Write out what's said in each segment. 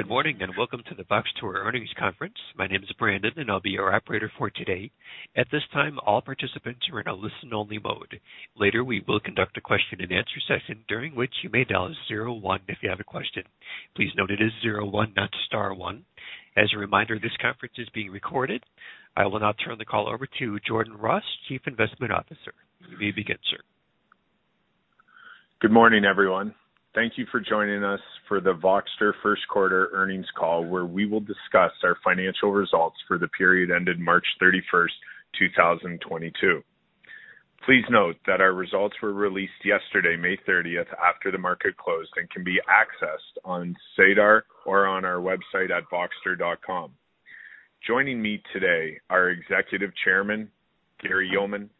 Good morning, and welcome to the Voxtur Earnings Conference. My name is Brandon, and I'll be your operator for today. At this time, all participants are in a listen-only mode. Later, we will conduct a question-and-answer session, during which you may dial zero one if you have a question. Please note it is zero one, not star one. As a reminder, this conference is being recorded. I will now turn the call over to Jordan Ross, Chief Investment Officer. You may begin, sir. Good morning, everyone. Thank you for joining us for the Voxtur first quarter earnings call, where we will discuss our financial results for the period ended March 31, 2022. Please note that our results were released yesterday, May 30, after the market closed, and can be accessed on SEDAR or on our website at voxtur.com. Joining me today are Executive Chairman Gary Yeoman,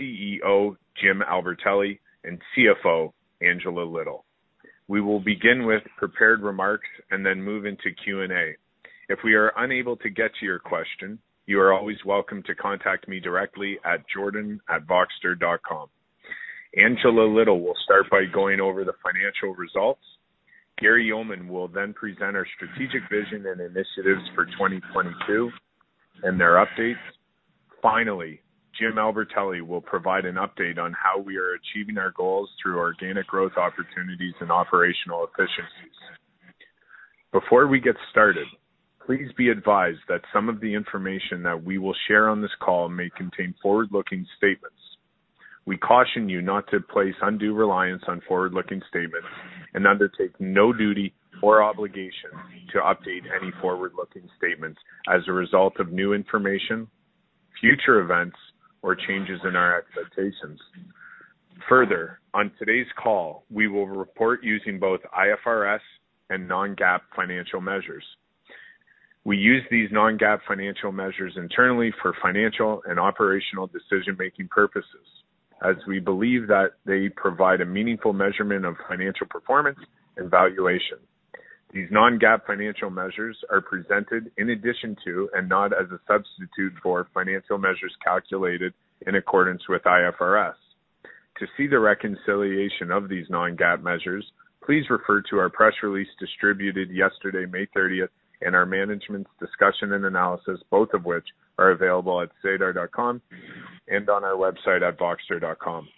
CEO Jim Albertelli, and CFO Angela Little. We will begin with prepared remarks and then move into Q&A. If we are unable to get to your question, you are always welcome to contact me directly at jordan@voxtur.com. Angela Little will start by going over the financial results. Gary Yeoman will then present our strategic vision and initiatives for 2022 and their updates. Finally, Jim Albertelli will provide an update on how we are achieving our goals through organic growth opportunities and operational efficiencies. Before we get started, please be advised that some of the information that we will share on this call may contain forward-looking statements. We caution you not to place undue reliance on forward-looking statements and undertake no duty or obligation to update any forward-looking statements as a result of new information, future events, or changes in our expectations. Further, on today's call, we will report using both IFRS and non-GAAP financial measures. We use these non-GAAP financial measures internally for financial and operational decision-making purposes, as we believe that they provide a meaningful measurement of financial performance and valuation. These non-GAAP financial measures are presented in addition to and not as a substitute for financial measures calculated in accordance with IFRS. To see the reconciliation of these non-GAAP measures, please refer to our press release distributed yesterday, May 30th, and our management's discussion and analysis, both of which are available at sedar.com and on our website at voxtur.com.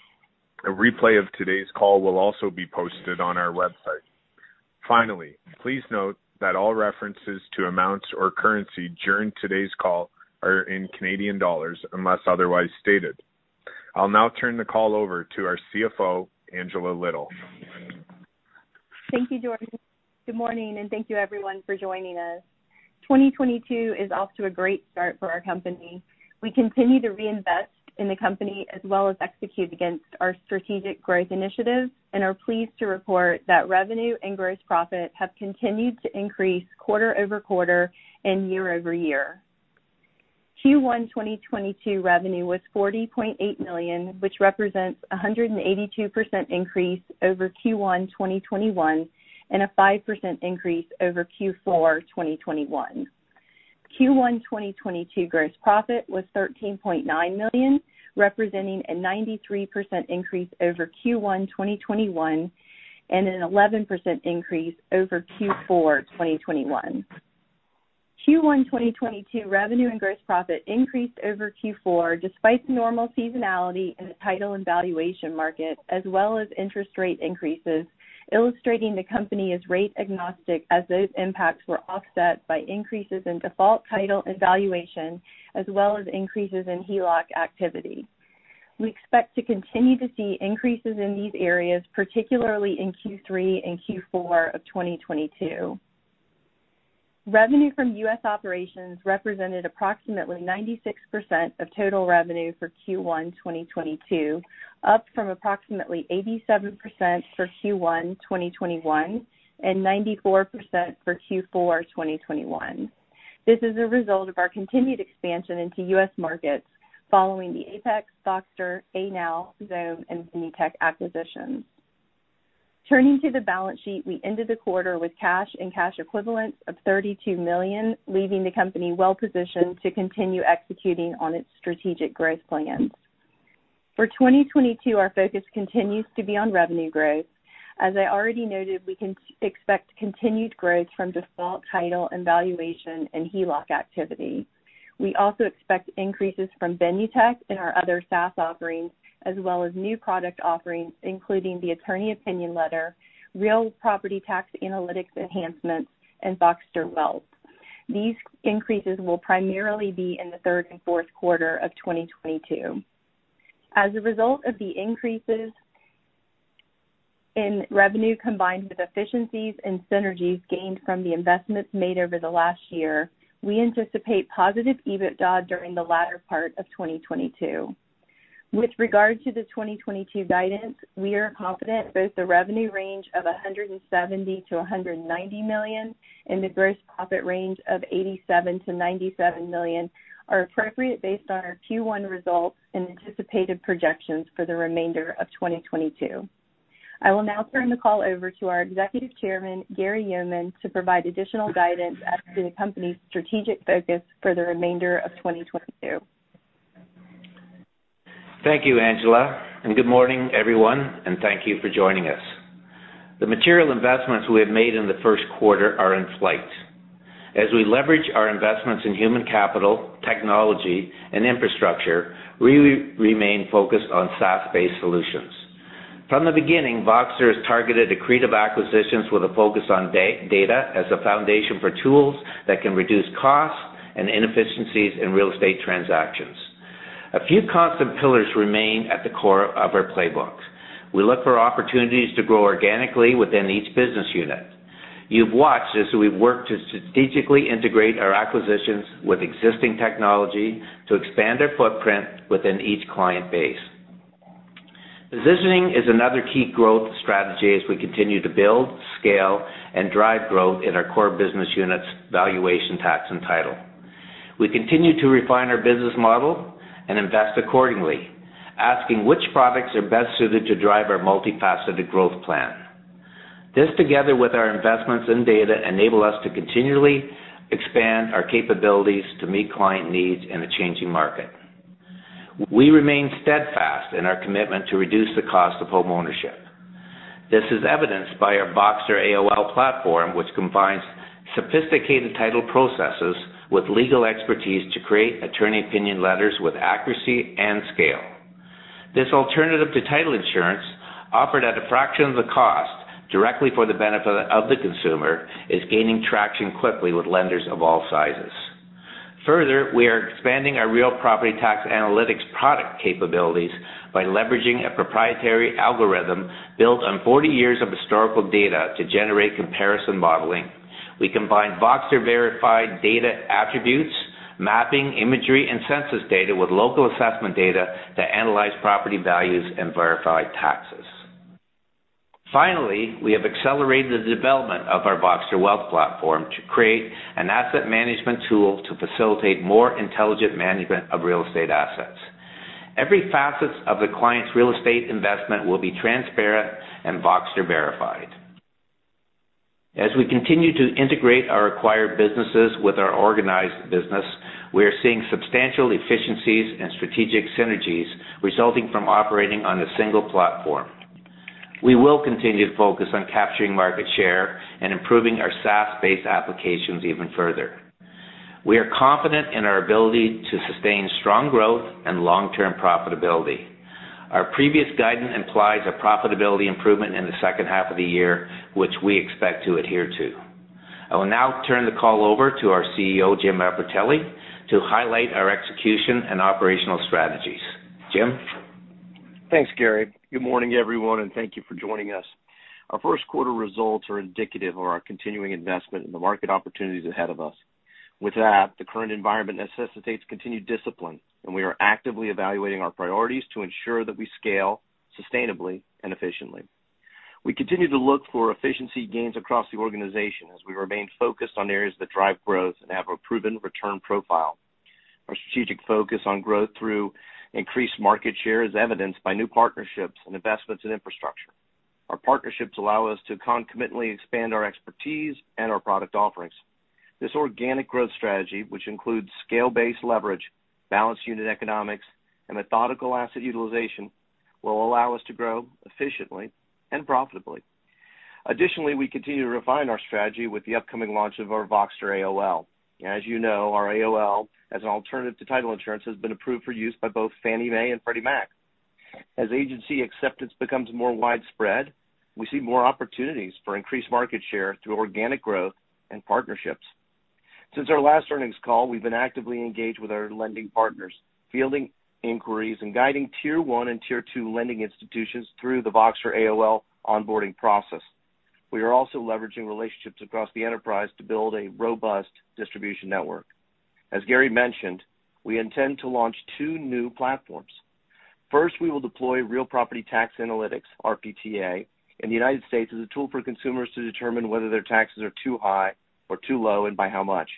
A replay of today's call will also be posted on our website. Finally, please note that all references to amounts or currency during today's call are in Canadian dollars, unless otherwise stated. I'll now turn the call over to our CFO, Angela Little. Thank you, Jordan. Good morning, and thank you everyone for joining us. 2022 is off to a great start for our company. We continue to reinvest in the company as well as execute against our strategic growth initiatives and are pleased to report that revenue and gross profit have continued to increase quarter-over-quarter and year-over-year. Q1 2022 revenue was 40.8 million, which represents a 182% increase over Q1 2021 and a 5% increase over Q4 2021. Q1 2022 gross profit was 13.9 million, representing a 93% increase over Q1 2021 and an 11% increase over Q4 2021. Q1 2022 revenue and gross profit increased over Q4 despite normal seasonality in the title and valuation market, as well as interest rate increases, illustrating the company is rate agnostic as those impacts were offset by increases in default title and valuation, as well as increases in HELOC activity. We expect to continue to see increases in these areas, particularly in Q3 and Q4 of 2022. Revenue from U.S. operations represented approximately 96% of total revenue for Q1 2022, up from approximately 87% for Q1 2021 and 94% for Q4 2021. This is a result of our continued expansion into U.S. markets following the Apex, Voxtur, Anow, Xome, and Benutech acquisitions. Turning to the balance sheet, we ended the quarter with cash and cash equivalents of 32 million, leaving the company well-positioned to continue executing on its strategic growth plans. For 2022, our focus continues to be on revenue growth. As I already noted, we can expect continued growth from default title and valuation and HELOC activity. We also expect increases from Benutech and our other SaaS offerings, as well as new product offerings, including the Attorney Opinion Letter, Real Property Tax Analytics enhancements, and Voxtur Wealth. These increases will primarily be in the third and fourth quarter of 2022. As a result of the increases in revenue combined with efficiencies and synergies gained from the investments made over the last year, we anticipate positive EBITDA during the latter part of 2022. With regard to the 2022 guidance, we are confident both the revenue range of 170 million-190 million and the gross profit range of 87 million-97 million are appropriate based on our Q1 results and anticipated projections for the remainder of 2022. I will now turn the call over to our Executive Chairman, Gary Yeoman, to provide additional guidance as to the company's strategic focus for the remainder of 2022. Thank you, Angela, and good morning, everyone, and thank you for joining us. The material investments we have made in the first quarter are in flight. As we leverage our investments in human capital, technology, and infrastructure, we remain focused on SaaS-based solutions. From the beginning, Voxtur has targeted accretive acquisitions with a focus on data as a foundation for tools that can reduce costs and inefficiencies in real estate transactions. A few constant pillars remain at the core of our playbook. We look for opportunities to grow organically within each business unit. You've watched as we've worked to strategically integrate our acquisitions with existing technology to expand our footprint within each client base. Positioning is another key growth strategy as we continue to build, scale, and drive growth in our core business units valuation, tax, and title. We continue to refine our business model and invest accordingly, asking which products are best suited to drive our multifaceted growth plan. This, together with our investments in data, enable us to continually expand our capabilities to meet client needs in a changing market. We remain steadfast in our commitment to reduce the cost of homeownership. This is evidenced by our Voxtur AOL platform, which combines sophisticated title processes with legal expertise to create Attorney Opinion Letters with accuracy and scale. This alternative to title insurance, offered at a fraction of the cost directly for the benefit of the consumer, is gaining traction quickly with lenders of all sizes. Further, we are expanding our Real Property Tax Analytics product capabilities by leveraging a proprietary algorithm built on 40 years of historical data to generate comparison modeling. We combine Voxtur Verified data attributes, mapping imagery and census data with local assessment data to analyze property values and verify taxes. Finally, we have accelerated the development of our Voxtur Wealth platform to create an asset management tool to facilitate more intelligent management of real estate assets. Every facet of the client's real estate investment will be transparent and Voxtur Verified. As we continue to integrate our acquired businesses with our organized business, we are seeing substantial efficiencies and strategic synergies resulting from operating on a single platform. We will continue to focus on capturing market share and improving our SaaS-based applications even further. We are confident in our ability to sustain strong growth and long-term profitability. Our previous guidance implies a profitability improvement in the second half of the year, which we expect to adhere to. I will now turn the call over to our CEO, Jim Albertelli, to highlight our execution and operational strategies. Jim? Thanks, Gary. Good morning, everyone, and thank you for joining us. Our first quarter results are indicative of our continuing investment in the market opportunities ahead of us. With that, the current environment necessitates continued discipline, and we are actively evaluating our priorities to ensure that we scale sustainably and efficiently. We continue to look for efficiency gains across the organization as we remain focused on areas that drive growth and have a proven return profile. Our strategic focus on growth through increased market share is evidenced by new partnerships and investments in infrastructure. Our partnerships allow us to concomitantly expand our expertise and our product offerings. This organic growth strategy, which includes scale-based leverage, balanced unit economics, and methodical asset utilization, will allow us to grow efficiently and profitably. Additionally, we continue to refine our strategy with the upcoming launch of our Voxtur AOL. As you know, our AOL, as an alternative to title insurance, has been approved for use by both Fannie Mae and Freddie Mac. As agency acceptance becomes more widespread, we see more opportunities for increased market share through organic growth and partnerships. Since our last earnings call, we've been actively engaged with our lending partners, fielding inquiries and guiding Tier 1 and Tier 2 lending institutions through the Voxtur AOL onboarding process. We are also leveraging relationships across the enterprise to build a robust distribution network. As Gary mentioned, we intend to launch two new platforms. First, we will deploy Real Property Tax Analytics, RPTA, in the United States as a tool for consumers to determine whether their taxes are too high or too low, and by how much.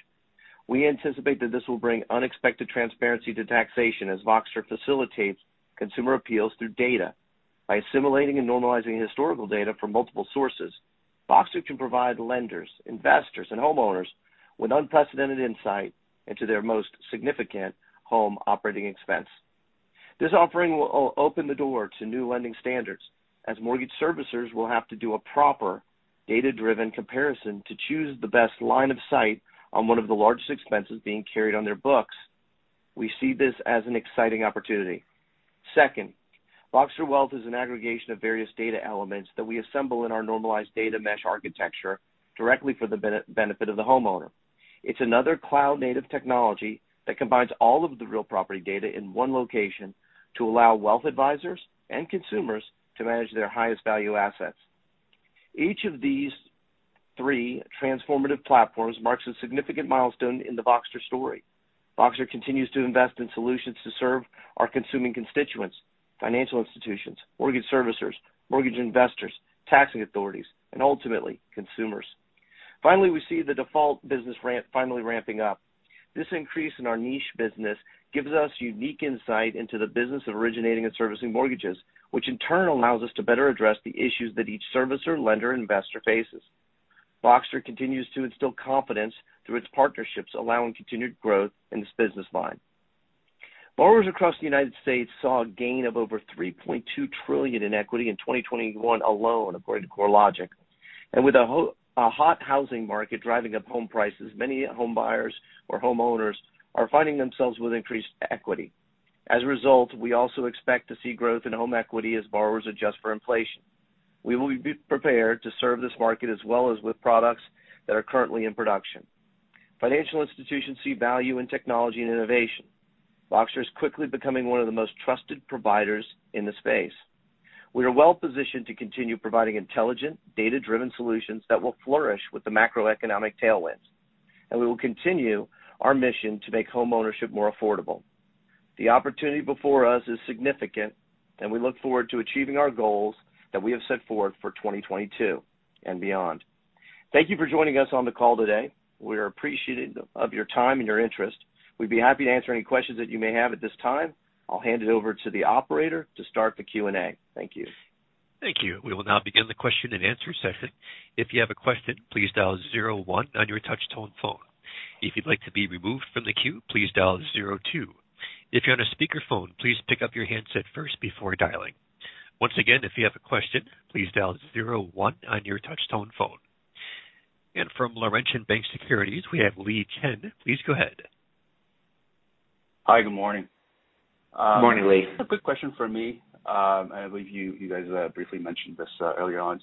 We anticipate that this will bring unexpected transparency to taxation as Voxtur facilitates consumer appeals through data. By assimilating and normalizing historical data from multiple sources, Voxtur can provide lenders, investors, and homeowners with unprecedented insight into their most significant home operating expense. This offering will open the door to new lending standards, as mortgage servicers will have to do a proper data-driven comparison to choose the best line of sight on one of the largest expenses being carried on their books. We see this as an exciting opportunity. Second, Voxtur Wealth is an aggregation of various data elements that we assemble in our normalized data mesh architecture directly for the benefit of the homeowner. It's another cloud-native technology that combines all of the real property data in one location to allow wealth advisors and consumers to manage their highest value assets. Each of these three transformative platforms marks a significant milestone in the Voxtur story. Voxtur continues to invest in solutions to serve our consuming constituents, financial institutions, mortgage servicers, mortgage investors, taxing authorities, and ultimately, consumers. Finally, we see the default business ramping up. This increase in our niche business gives us unique insight into the business of originating and servicing mortgages, which in turn allows us to better address the issues that each servicer, lender, and investor faces. Voxtur continues to instill confidence through its partnerships, allowing continued growth in this business line. Borrowers across the United States saw a gain of over 3.2 trillion in equity in 2021 alone, according to CoreLogic. With a hot housing market driving up home prices, many home buyers or homeowners are finding themselves with increased equity. As a result, we also expect to see growth in home equity as borrowers adjust for inflation. We will be prepared to serve this market as well as with products that are currently in production. Financial institutions see value in technology and innovation. Voxtur is quickly becoming one of the most trusted providers in the space. We are well-positioned to continue providing intelligent, data-driven solutions that will flourish with the macroeconomic tailwinds, and we will continue our mission to make homeownership more affordable. The opportunity before us is significant, and we look forward to achieving our goals that we have set forward for 2022 and beyond. Thank you for joining us on the call today. We are appreciative of your time and your interest. We'd be happy to answer any questions that you may have at this time. I'll hand it over to the operator to start the Q&A. Thank you. Thank you. We will now begin the question and answer session. If you have a question, please dial zero one on your touch-tone phone. If you'd like to be removed from the queue, please dial zero two. If you're on a speakerphone, please pick up your handset first before dialing. Once again, if you have a question, please dial zero one on your touch-tone phone. From Laurentian Bank Securities, we have Li Chen. Please go ahead. Hi. Good morning. Good morning, Li. A quick question for me. I believe you guys briefly mentioned this earlier on.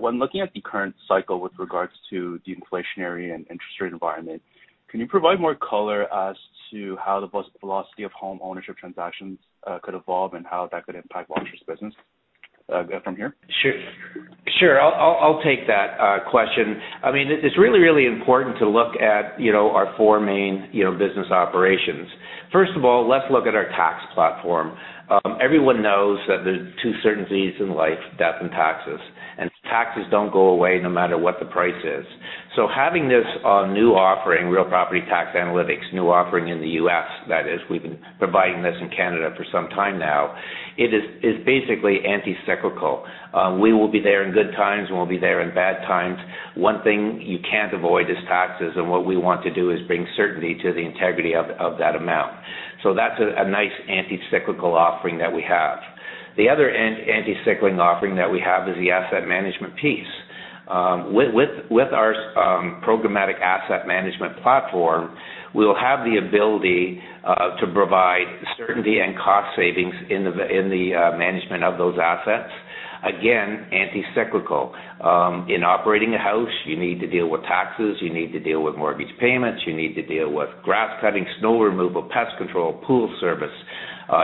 When looking at the current cycle with regards to the inflationary and interest rate environment, can you provide more color as to how the velocity of homeownership transactions could evolve and how that could impact Voxtur's business from here? Sure. I'll take that question. I mean, it's really important to look at, you know, our four main, you know, business operations. First of all, let's look at our tax platform. Everyone knows that there are two certainties in life, death and taxes, and taxes don't go away no matter what the price is. Having this new offering, Real Property Tax Analytics, new offering in the U.S. that is, we've been providing this in Canada for some time now. It is basically counter-cyclical. We will be there in good times, and we'll be there in bad times. One thing you can't avoid is taxes, and what we want to do is bring certainty to the integrity of that amount. That's a nice counter-cyclical offering that we have. The other anti-cyclical offering that we have is the asset management piece. With our programmatic asset management platform, we'll have the ability to provide certainty and cost savings in the management of those assets. Again, anti-cyclical. In operating a house, you need to deal with taxes, you need to deal with mortgage payments, you need to deal with grass cutting, snow removal, pest control, pool service.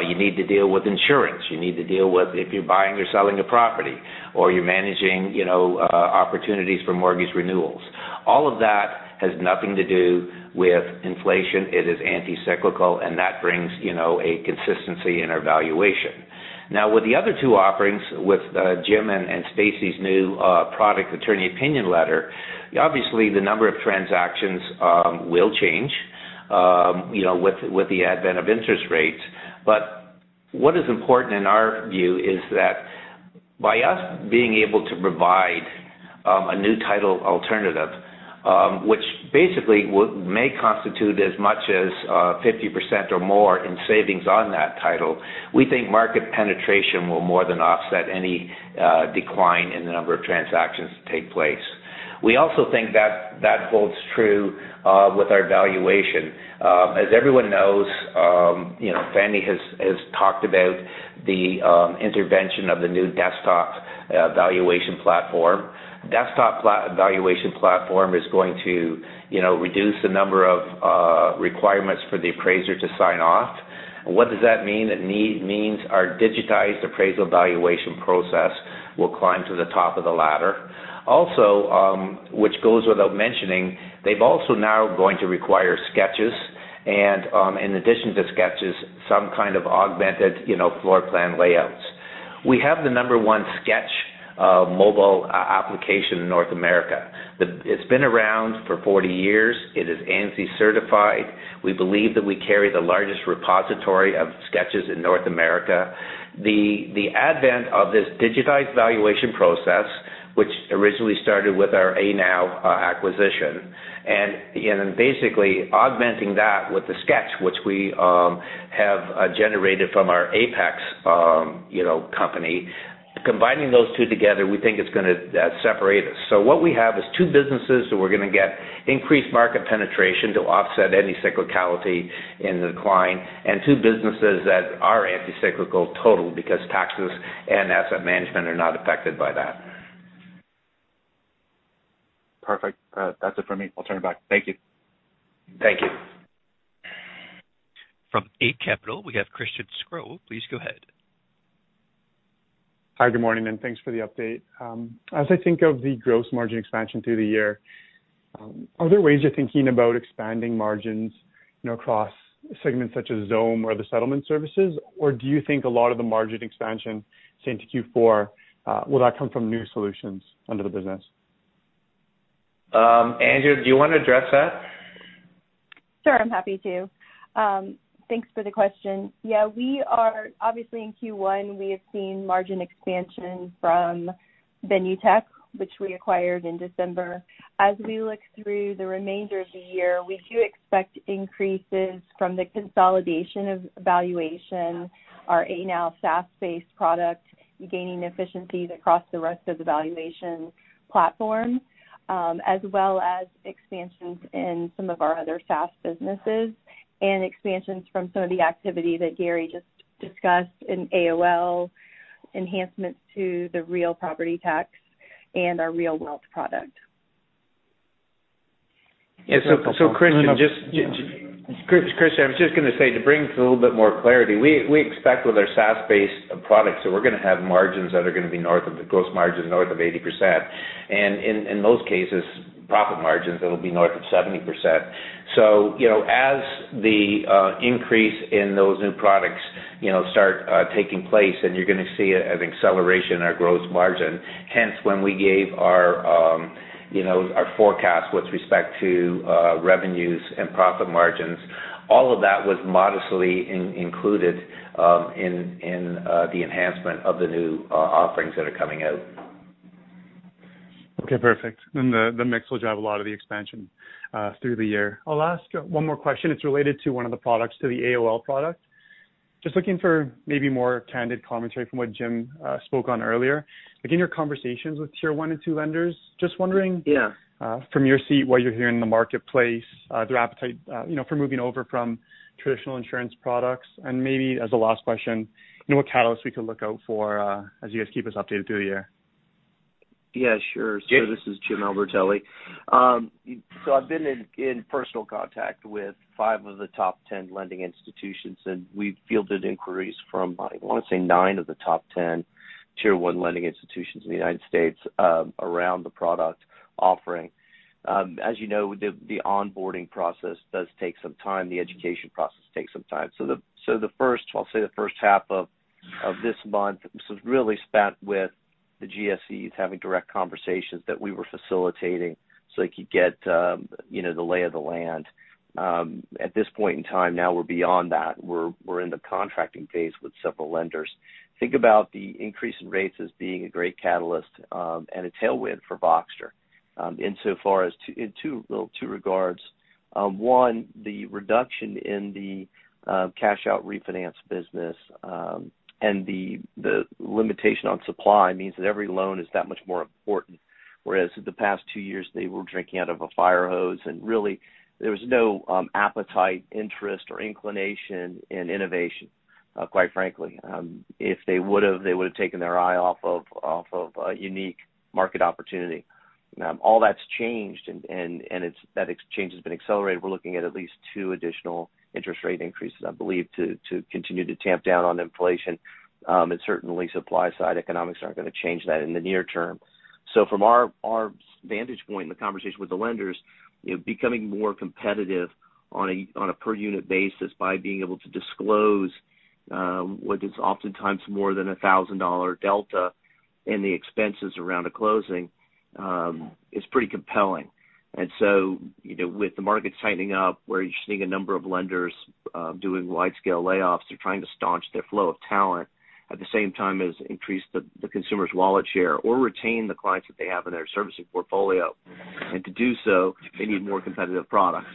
You need to deal with insurance. You need to deal with if you're buying or selling a property or you're managing, you know, opportunities for mortgage renewals. All of that has nothing to do with inflation. It is anti-cyclical, and that brings, you know, a consistency in our valuation. Now, with the other two offerings with Jim and Stacy's new product Attorney Opinion Letter, obviously the number of transactions will change, you know, with the advent of interest rates. What is important in our view is that by us being able to provide a new title alternative, which basically may constitute as much as 50% or more in savings on that title, we think market penetration will more than offset any decline in the number of transactions that take place. We also think that holds true with our valuation. As everyone knows, you know, Fannie Mae has talked about the introduction of the new desktop valuation platform. Desktop valuation platform is going to, you know, reduce the number of requirements for the appraiser to sign off. What does that mean? It means our digitized appraisal valuation process will climb to the top of the ladder. Also, which goes without mentioning, they're also now going to require sketches and, in addition to sketches, some kind of augmented, you know, floor plan layouts. We have the number one sketch mobile application in North America. It's been around for 40 years. It is ANSI certified. We believe that we carry the largest repository of sketches in North America. The advent of this digitized valuation process, which originally started with our Anow acquisition, and, you know, basically augmenting that with the sketch which we have generated from our Apex company. Combining those two together, we think it's gonna separate us. What we have is two businesses, so we're gonna get increased market penetration to offset any cyclicality in the decline and two businesses that are anti-cyclical total because taxes and asset management are not affected by that. Perfect. That's it for me. I'll turn it back. Thank you. Thank you. From Eight Capital, we have Christian Sgro. Please go ahead. Hi. Good morning, and thanks for the update. As I think of the gross margin expansion through the year, are there ways you're thinking about expanding margins, you know, across segments such as Xome or the settlement services, or do you think a lot of the margin expansion into Q4, will that come from new solutions under the business? Angela, do you wanna address that? Sure, I'm happy to. Thanks for the question. Yeah, we are obviously in Q1, we have seen margin expansion from the new tech which we acquired in December. As we look through the remainder of the year, we do expect increases from the consolidation of valuation, our Anow SaaS-based product, gaining efficiencies across the rest of the valuation platform, as well as expansions in some of our other SaaS businesses and expansions from some of the activity that Gary just discussed in AOL enhancements to the real property tax and our real wealth product. Yeah. Christian, I was just gonna say to bring a little bit more clarity. We expect with our SaaS-based products that we're gonna have margins that are gonna be north of the gross margin north of 80%. In most cases, profit margins that'll be north of 70%. You know, as the increase in those new products start taking place, you know, and you're gonna see an acceleration in our gross margin. Hence, when we gave our forecast with respect to revenues and profit margins, all of that was modestly included in the enhancement of the new offerings that are coming out. Okay. Perfect. The mix will drive a lot of the expansion through the year. I'll ask one more question. It's related to one of the products, to the AOL product. Just looking for maybe more candid commentary from what Jim spoke on earlier. Again, your conversations with tier one and two lenders. Just wondering. Yeah. From your seat, what you're hearing in the marketplace, their appetite for moving over from traditional insurance products. Maybe as a last question, what catalyst we could look out for, as you guys keep us updated through the year. Yeah, sure. This is Jim Albertelli. I've been in personal contact with five of the top 10 lending institutions, and we've fielded inquiries from, I want to say, nine of the top 10 Tier 1 lending institutions in the United States, around the product offering. As you know, the onboarding process does take some time. The education process takes some time. The first half of this month was really spent with the GSEs having direct conversations that we were facilitating so they could get the lay of the land. At this point in time now we're beyond that. We're in the contracting phase with several lenders. Think about the increase in rates as being a great catalyst and a tailwind for Voxtur. One, the reduction in the cash-out refinance business and the limitation on supply means that every loan is that much more important, whereas the past two years they were drinking out of a fire hose and really there was no appetite, interest or inclination in innovation, quite frankly. If they would've, they would have taken their eye off of a unique market opportunity. All that's changed. It's that exchange has been accelerated. We're looking at least two additional interest rate increases, I believe, to continue to tamp down on inflation. Certainly supply-side economics aren't gonna change that in the near term. From our vantage point in the conversation with the lenders, you know, becoming more competitive on a per-unit basis by being able to disclose what is oftentimes more than 1,000 dollar delta in the expenses around a closing is pretty compelling. You know, with the market tightening up where you're seeing a number of lenders doing wide-scale layoffs, they're trying to staunch their flow of talent at the same time as increase the consumer's wallet share or retain the clients that they have in their servicing portfolio. To do so, they need more competitive products.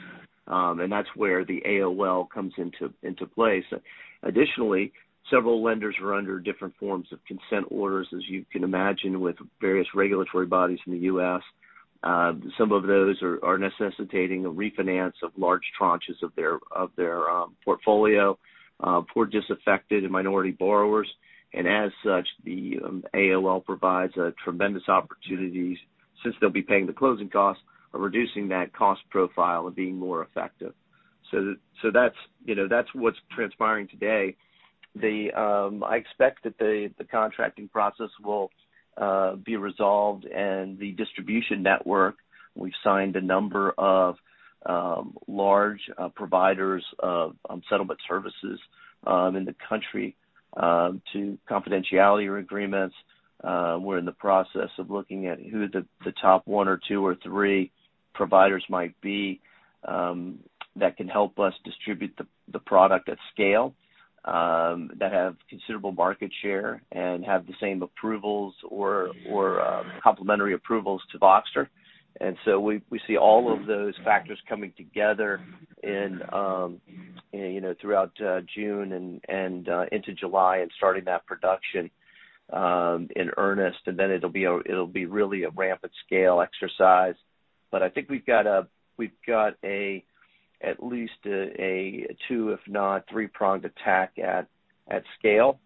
That's where the AOL comes into place. Additionally, several lenders are under different forms of consent orders, as you can imagine, with various regulatory bodies in the U.S. Some of those are necessitating a refinance of large tranches of their portfolio for disaffected and minority borrowers. As such, the AOL provides tremendous opportunities since they'll be paying the closing costs of reducing that cost profile and being more effective. That's, you know, that's what's transpiring today. I expect that the contracting process will be resolved. The distribution network, we've signed a number of large providers of settlement services in the country to confidentiality agreements. We're in the process of looking at who the top one or two or three providers might be that can help us distribute the product at scale that have considerable market share and have the same approvals or complementary approvals to Voxtur. We see all of those factors coming together in you know throughout June and into July and starting that production in earnest. It'll be really a rampant scale exercise. I think we've got at least a two if not three-pronged attack at scale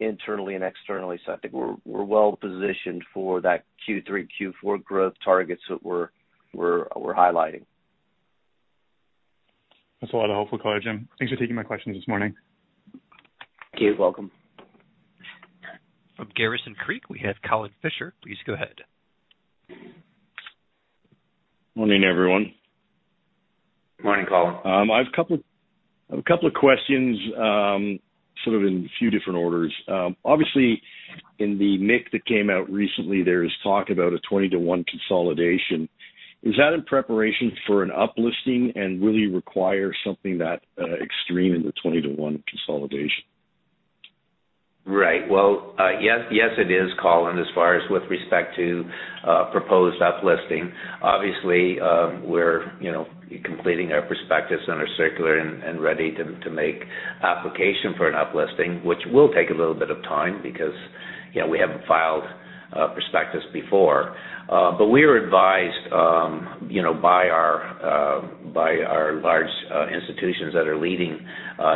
internally and externally. I think we're well positioned for that Q3, Q4 growth targets that we're highlighting. That's a lot of helpful color, Jim. Thanks for taking my questions this morning. Okay, welcome. From Garrison Creek, we have Colin Fisher. Please go ahead. Morning, everyone. Morning, Colin. I have a couple A couple of questions, sort of in a few different orders. Obviously, in the MIC that came out recently, there is talk about a 20-to-1 consolidation. Is that in preparation for an uplisting, and will you require something that extreme in the 20-to-1 consolidation? Right. Well, yes, it is, Colin, as far as with respect to proposed uplisting. Obviously, we're, you know, completing our prospectus and our circular and ready to make application for an uplisting, which will take a little bit of time because, you know, we haven't filed prospectus before. But we were advised, you know, by our large institutions that are leading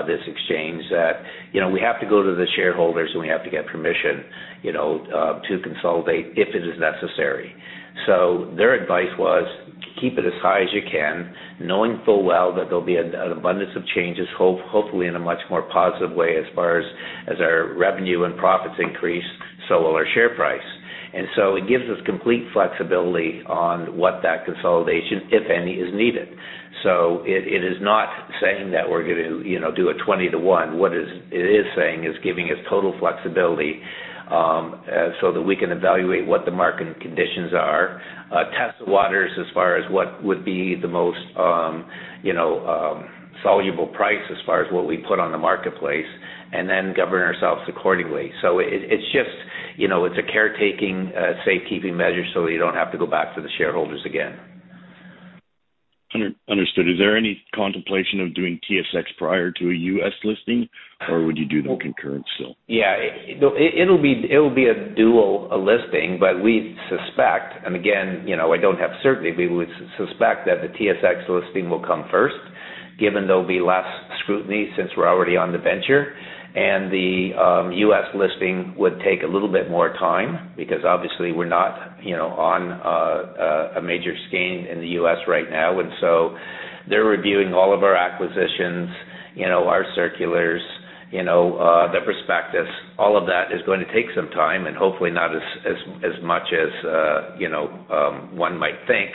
this exchange that, you know, we have to go to the shareholders, and we have to get permission, you know, to consolidate if it is necessary. So their advice was keep it as high as you can, knowing full well that there'll be an abundance of changes, hopefully in a much more positive way as far as our revenue and profits increase, so will our share price. It gives us complete flexibility on what that consolidation, if any, is needed. It is not saying that we're gonna, you know, do a 20-to-1. What it is saying is giving us total flexibility so that we can evaluate what the market conditions are, test the waters as far as what would be the most, you know, suitable price as far as what we put on the marketplace, and then govern ourselves accordingly. It's just, you know, it's a caretaker safekeeping measure so you don't have to go back to the shareholders again. Understood. Is there any contemplation of doing TSX prior to a U.S. listing, or would you do them concurrent still? Yeah. It'll be a dual listing. We suspect, and again, you know, I don't have certainty, we would suspect that the TSX listing will come first, given there'll be less scrutiny since we're already on the Venture. The U.S. listing would take a little bit more time because obviously we're not, you know, on a major exchange in the U.S. right now. They're reviewing all of our acquisitions, you know, our circulars, you know, the prospectus. All of that is going to take some time and hopefully not as much as, you know, one might think.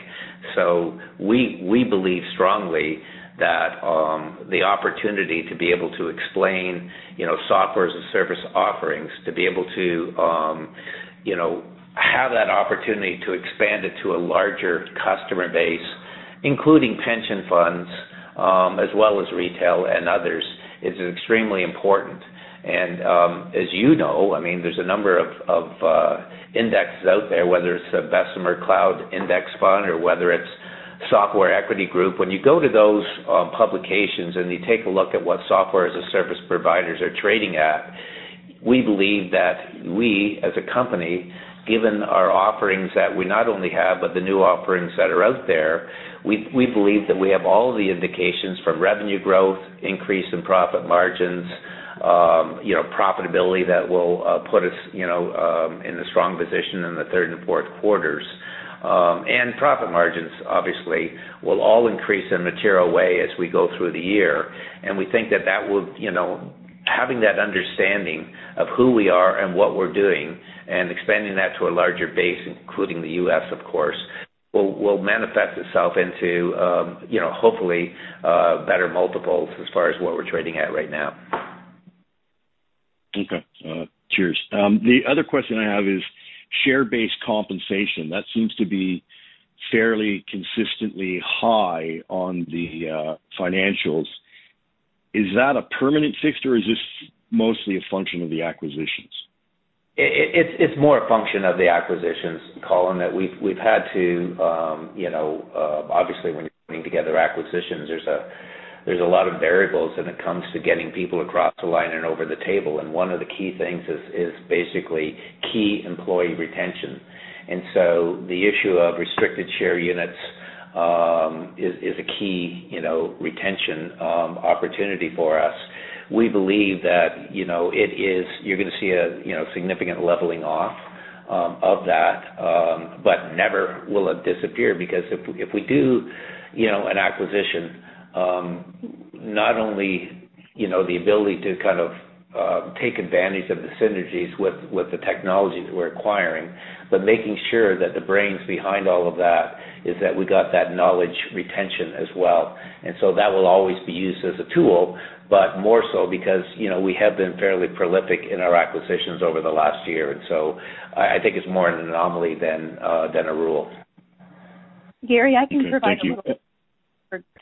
We believe strongly that the opportunity to be able to explain, you know, software as a service offerings to be able to, you know, have that opportunity to expand it to a larger customer base, including pension funds, as well as retail and others, is extremely important. As you know, I mean, there's a number of indexes out there, whether it's a Bessemer Cloud Index fund or whether it's Software Equity Group. When you go to those publications and you take a look at what software as a service providers are trading at, we believe that we as a company, given our offerings that we not only have, but the new offerings that are out there, we believe that we have all the indications from revenue growth, increase in profit margins, you know, profitability that will put us, you know, in a strong position in the third and fourth quarters. Profit margins obviously will all increase in material way as we go through the year. We think that will, you know, having that understanding of who we are and what we're doing and expanding that to a larger base, including the U.S. of course, will manifest itself into, you know, hopefully, better multiples as far as what we're trading at right now. Okay. Cheers. The other question I have is share-based compensation. That seems to be fairly consistently high on the financials. Is that a permanent fixture or is this mostly a function of the acquisitions? It's more a function of the acquisitions, Colin, that we've had to, you know, obviously when you're putting together acquisitions, there's a lot of variables when it comes to getting people across the line and over the table, and one of the key things is basically key employee retention. The issue of restricted share units is a key, you know, retention opportunity for us. We believe that, you know, it is, you're gonna see a, you know, significant leveling off of that, but never will it disappear because if we do, you know, an acquisition, not only, you know, the ability to kind of take advantage of the synergies with the technologies we're acquiring, but making sure that the brains behind all of that is that we got that knowledge retention as well. That will always be used as a tool, but more so because, you know, we have been fairly prolific in our acquisitions over the last year. I think it's more an anomaly than a rule. Gary, I can provide a little. Okay. Thank you. For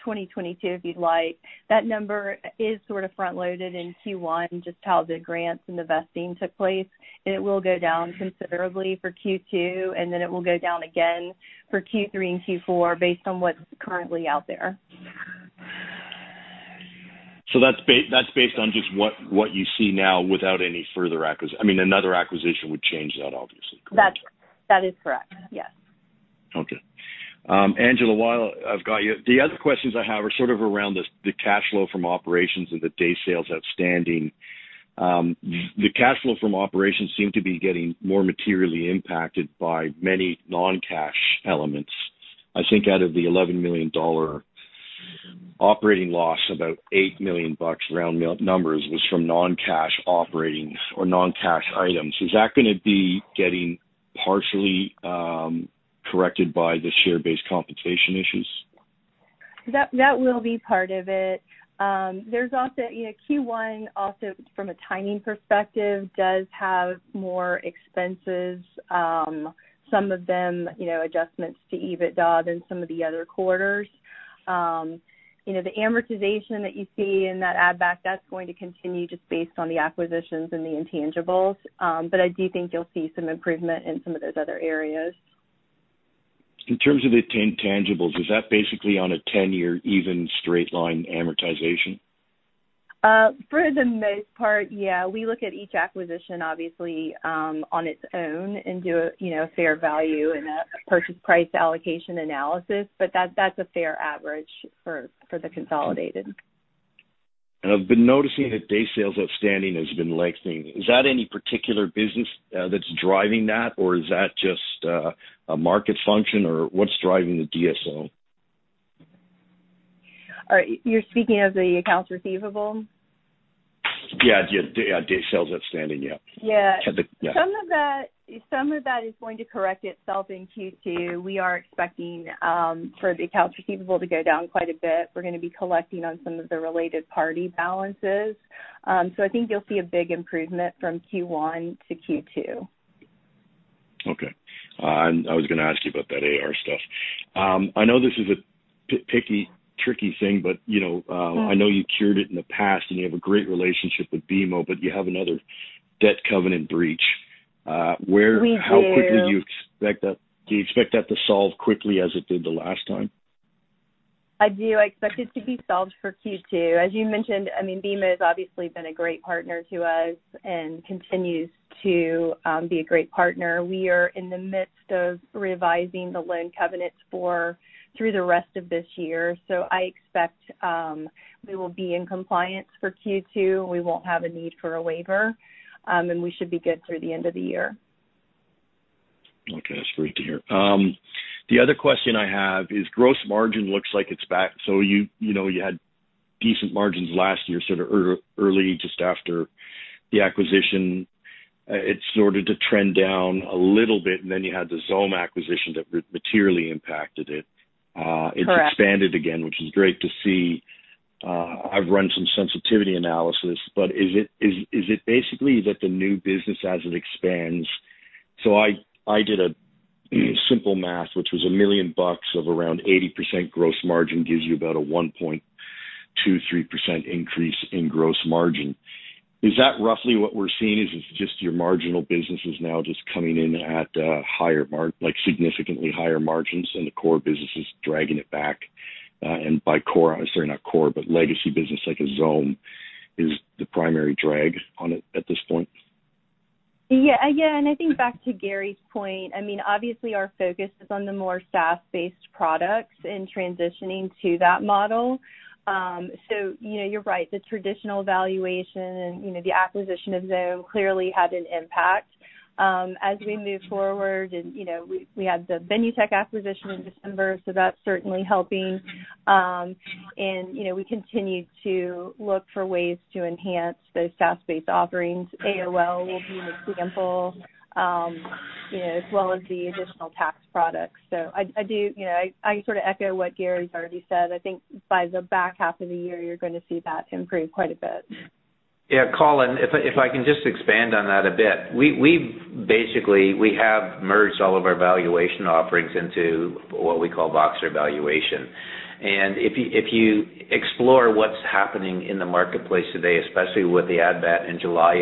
2022, if you'd like. That number is sort of front-loaded in Q1, just how the grants and the vesting took place. It will go down considerably for Q2, and then it will go down again for Q3 and Q4 based on what's currently out there. That's based on just what you see now without any further acquisition. I mean, another acquisition would change that obviously, correct? That is correct. Yes. Okay. Angela, while I've got you, the other questions I have are sort of around the cash flow from operations and the days sales outstanding. The cash flow from operations seems to be getting more materially impacted by many non-cash elements. I think out of the 11 million dollar operating loss, about 8 million bucks round numbers was from non-cash operating or non-cash items. Is that gonna be getting partially corrected by the share-based compensation issues? That will be part of it. There's also, you know, Q1 also from a timing perspective, does have more expenses, some of them, you know, adjustments to EBITDA than some of the other quarters. You know, the amortization that you see in that add back, that's going to continue just based on the acquisitions and the intangibles. I do think you'll see some improvement in some of those other areas. In terms of the tangibles, is that basically on a 10-year even straight-line amortization? For the most part, yeah. We look at each acquisition obviously on its own and do you know a fair value and a purchase price allocation analysis. That's a fair average for the consolidated. I've been noticing that days sales outstanding has been lengthening. Is that any particular business that's driving that, or is that just a market function, or what's driving the DSO? You're speaking of the accounts receivable? Yeah. The day sales outstanding, yeah. Yeah. Some of that is going to correct itself in Q2. We are expecting for the accounts receivable to go down quite a bit. We're gonna be collecting on some of the related-party balances. I think you'll see a big improvement from Q1 to Q2. Okay. I was gonna ask you about that AR stuff. I know this is a picky, tricky thing, but, you know, I know you cured it in the past and you have a great relationship with BMO, but you have another debt covenant breach. Where- We do. Do you expect that to solve quickly as it did the last time? I do. I expect it to be solved for Q2. As you mentioned, I mean, BMO has obviously been a great partner to us and continues to be a great partner. We are in the midst of revising the loan covenants for the rest of this year. I expect we will be in compliance for Q2. We won't have a need for a waiver, and we should be good through the end of the year. Okay, that's great to hear. The other question I have is gross margin looks like it's back. You know, you had decent margins last year, sort of early, just after the acquisition. It started to trend down a little bit, and then you had the Xome acquisition that materially impacted it. Correct. It's expanded again, which is great to see. I've run some sensitivity analysis, but is it basically that the new business as it expands? I did a simple math, which was 1 million bucks of around 80% gross margin gives you about a 1.23% increase in gross margin. Is that roughly what we're seeing? Is it just your marginal business is now just coming in at higher margins, like significantly higher margins, and the core business is dragging it back? By core, I'm sorry, not core, but legacy business like Xome is the primary drag on it at this point. Yeah. Yeah. I think back to Gary's point. I mean, obviously our focus is on the more SaaS-based products and transitioning to that model. You know, you're right, the traditional valuation and, you know, the acquisition of Xome clearly had an impact. As we move forward and, you know, we have the Benutech acquisition in December, so that's certainly helping. You know, we continue to look for ways to enhance those SaaS-based offerings. AOL will be an example, you know, as well as the additional tax products. I do, you know, I sort of echo what Gary's already said. I think by the back half of the year you're gonna see that improve quite a bit. Yeah, Colin, if I can just expand on that a bit. We've basically merged all of our valuation offerings into what we call Voxtur Valuation. If you explore what's happening in the marketplace today, especially with the advent in July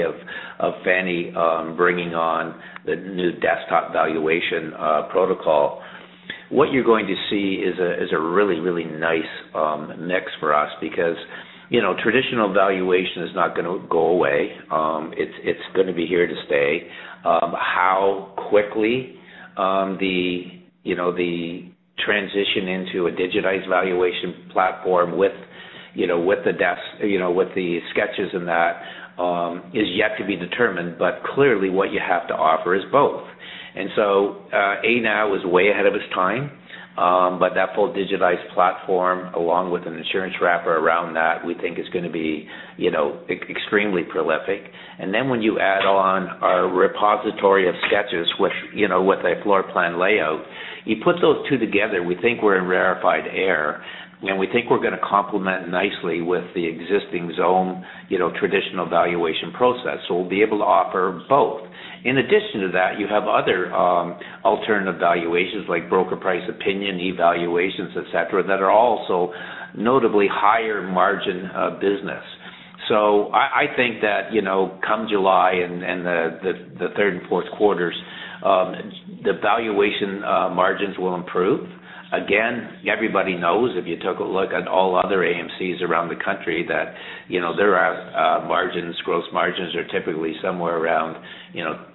of Fannie bringing on the new desktop appraisal protocol, what you're going to see is a really, really nice mix for us because, you know, traditional valuation is not gonna go away. It's gonna be here to stay. How quickly, you know, the transition into a digitized valuation platform with, you know, with the desk, you know, with the sketches and that is yet to be determined. Clearly, what you have to offer is both. Anow was way ahead of its time. That full digitized platform along with an insurance wrapper around that we think is gonna be, you know, extremely prolific. Then when you add on our repository of sketches, which, you know, with a floor plan layout, you put those two together, we think we're in rarefied air, and we think we're gonna complement nicely with the existing Xome, you know, traditional valuation process. We'll be able to offer both. In addition to that, you have other alternative valuations like broker price opinion evaluations, et cetera, that are also notably higher-margin business. I think that, you know, come July and the third and fourth quarters, the valuation margins will improve. Again, everybody knows if you took a look at all other AMCs around the country that, you know, their margins, gross margins are typically somewhere around, you know,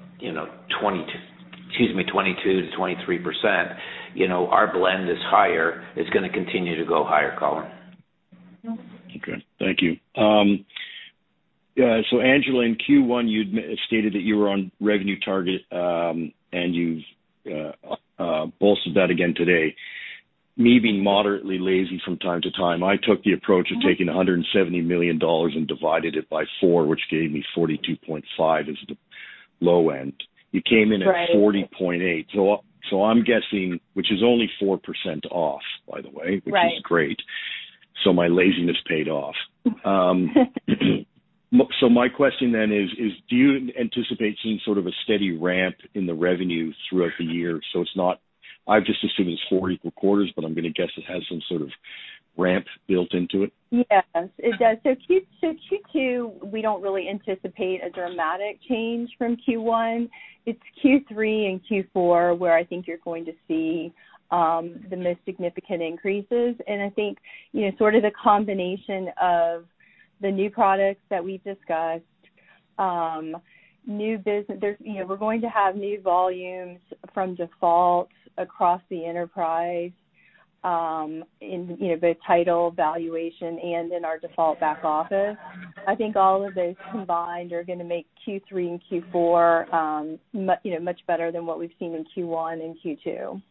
22%-23%. You know, our blend is higher. It's gonna continue to go higher, Colin. Thank you. Angela, in Q1, you'd stated that you were on revenue target, and you've bolstered that again today. Me being moderately lazy from time to time, I took the approach of taking 170 million dollars and divided it by four, which gave me 42.5 as the low end. Right. You came in at 40.8. I'm guessing, which is only 4% off, by the way. Right. Which is great. My laziness paid off. My question then is, do you anticipate seeing sort of a steady ramp in the revenue throughout the year? It's not. I've just assumed it's four equal quarters, but I'm gonna guess it has some sort of ramp built into it. Yes. It does. Q2, we don't really anticipate a dramatic change from Q1. It's Q3 and Q4 where I think you're going to see the most significant increases. I think, you know, sort of the combination of the new products that we've discussed, new business. There's, you know, we're going to have new volumes from defaults across the enterprise, in, you know, the title valuation and in our default back office. I think all of those combined are gonna make Q3 and Q4, you know, much better than what we've seen in Q1 and Q2.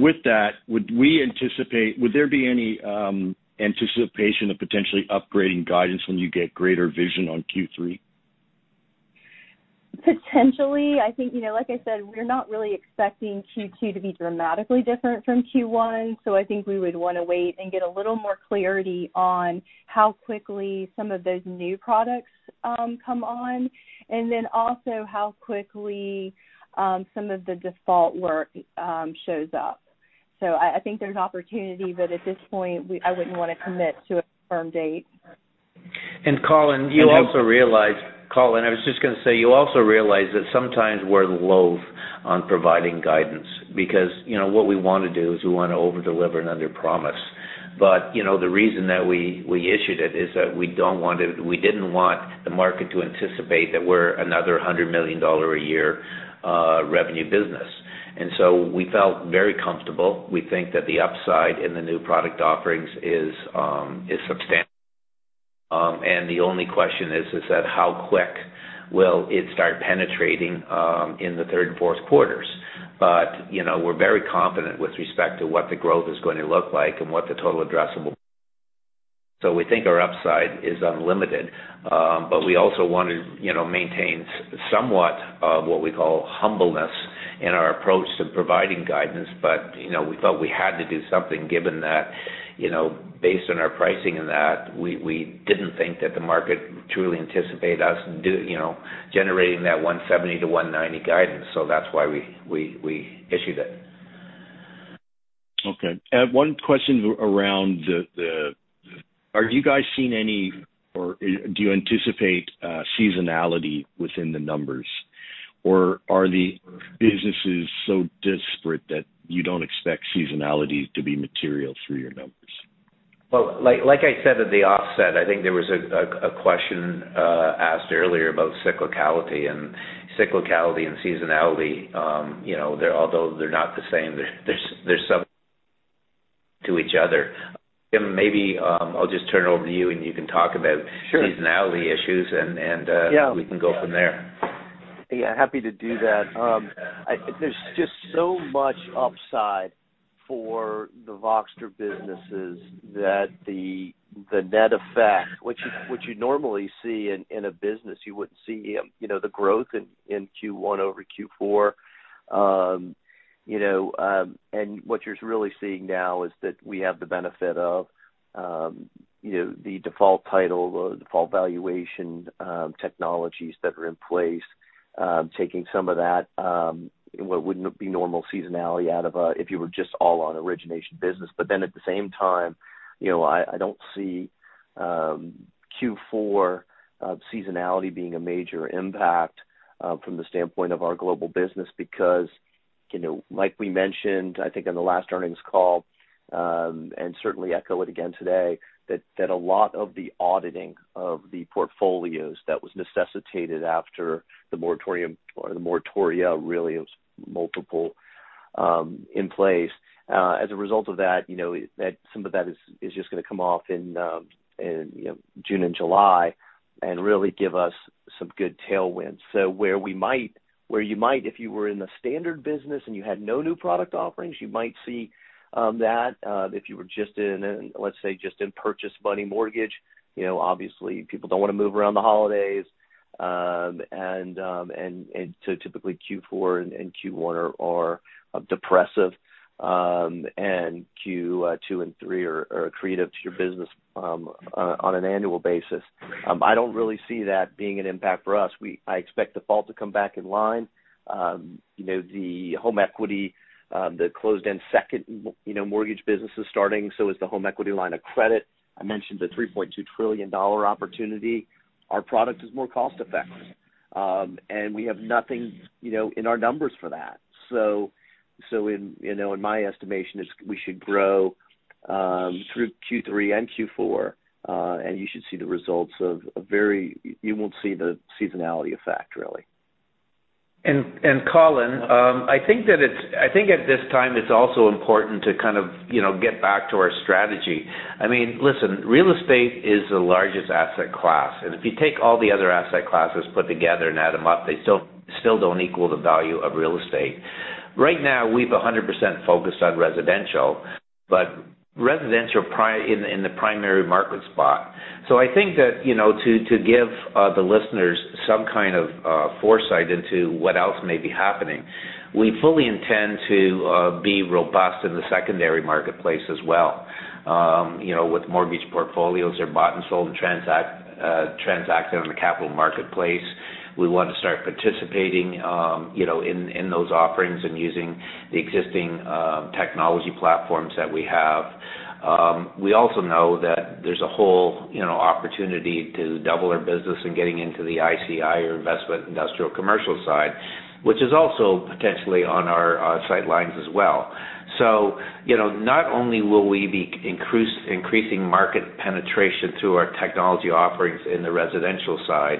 With that, would there be any anticipation of potentially upgrading guidance when you get greater visibility on Q3? Potentially. I think, you know, like I said, we're not really expecting Q2 to be dramatically different from Q1, so I think we would wanna wait and get a little more clarity on how quickly some of those new products come on, and then also how quickly some of the default work shows up. I think there's opportunity, but at this point, I wouldn't wanna commit to a firm date. Colin, you also realize that sometimes we're loath to providing guidance because, you know, what we wanna do is we wanna overdeliver and underpromise. You know, the reason that we issued it is that we didn't want the market to anticipate that we're another 100 million dollar a year revenue business. So we felt very comfortable. We think that the upside in the new product offerings is substantial. And the only question is how quick will it start penetrating in the third and fourth quarters. You know, we're very confident with respect to what the growth is going to look like and what the total addressable. We think our upside is unlimited, but we also want to, you know, maintain somewhat of what we call humbleness in our approach to providing guidance. You know, we felt we had to do something given that, you know, based on our pricing and that, we didn't think that the market truly anticipate us do, you know, generating that 170 million-190 million guidance. That's why we issued it. Okay. One question around the. Are you guys seeing any or do you anticipate seasonality within the numbers? Or are the businesses so disparate that you don't expect seasonality to be material through your numbers? Well, like I said at the outset, I think there was a question asked earlier about cyclicality and seasonality. You know, they're, although they're not the same, there's some tie to each other. Maybe, I'll just turn it over to you, and you can talk about. Sure. seasonality issues and Yeah. We can go from there. Yeah, happy to do that. There's just so much upside for the Voxtur businesses that the net effect, which you normally see in a business, you wouldn't see, you know, the growth in Q1 over Q4. You know, what you're really seeing now is that we have the benefit of, you know, the default title, the default valuation technologies that are in place, taking some of that, what would be normal seasonality out of, if you were just all on origination business. At the same time, you know, I don't see Q4 seasonality being a major impact from the standpoint of our global business because, you know, like we mentioned, I think on the last earnings call, and certainly echo it again today, that a lot of the auditing of the portfolios that was necessitated after the moratorium or the moratoria, really, it was multiple in place. As a result of that, you know, that some of that is just gonna come off in, you know, June and July and really give us some good tailwinds. Where you might, if you were in the standard business and you had no new product offerings, you might see that, if you were just in, let's say, just in purchase-money mortgage, you know, obviously people don't wanna move around the holidays. Typically Q4 and Q1 are depressed. Q2 and Q3 are accretive to your business on an annual basis. I don't really see that being an impact for us. I expect default to come back in line. You know, the home equity, the closed-end second, you know, mortgage business is starting, so is the home equity line of credit. I mentioned the 3.2 trillion dollar opportunity. Our product is more cost effective. We have nothing, you know, in our numbers for that. In my estimation, is we should grow through Q3 and Q4, and you should see the results. You won't see the seasonality effect really. Colin, I think at this time it's also important to kind of, you know, get back to our strategy. I mean, listen, real estate is the largest asset class, and if you take all the other asset classes put together and add them up, they still don't equal the value of real estate. Right now, we've 100% focused on residential, but residential in the primary market spot. I think that, you know, to give the listeners some kind of foresight into what else may be happening, we fully intend to be robust in the secondary marketplace as well, you know, with mortgage portfolios are bought and sold and transacted on the capital marketplace. We want to start participating, you know, in those offerings and using the existing technology platforms that we have. We also know that there's a whole, you know, opportunity to double our business in getting into the ICI or investment industrial commercial side, which is also potentially on our sidelines as well. You know, not only will we be increasing market penetration through our technology offerings in the residential side,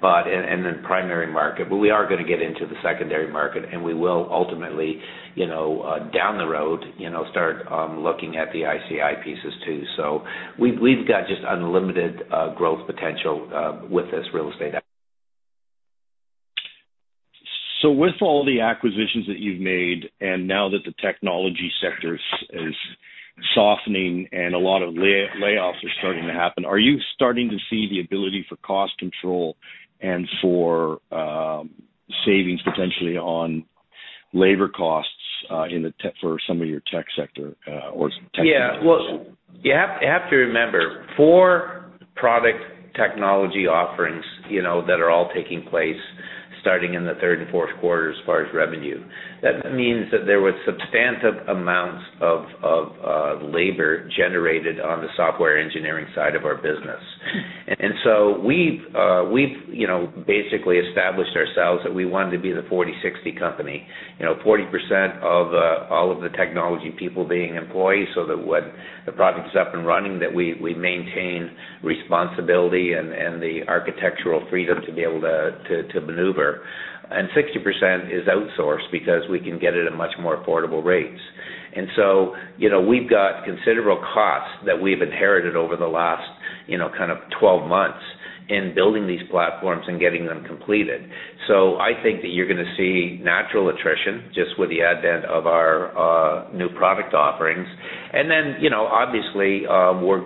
but in the primary market. We are gonna get into the secondary market, and we will ultimately, you know, down the road, you know, start looking at the ICI pieces too. We've got just unlimited growth potential with this real estate app. With all the acquisitions that you've made, and now that the technology sector is softening and a lot of layoffs are starting to happen, are you starting to see the ability for cost control and for savings potentially on labor costs in the for some of your tech sector or technical? Well, you have to remember, four product technology offerings, you know, that are all taking place starting in the third and fourth quarter as far as revenue. That means that there was substantive amounts of labor generated on the software engineering side of our business. We've, you know, basically established ourselves that we wanted to be the 40/60 company. You know, 40% of all of the technology people being employees, so that when the product's up and running, that we maintain responsibility and the architectural freedom to be able to maneuver. 60% is outsourced because we can get it at much more affordable rates. You know, we've got considerable costs that we've inherited over the last, you know, kind of 12 months in building these platforms and getting them completed. I think that you're gonna see natural attrition just with the advent of our new product offerings. You know, obviously,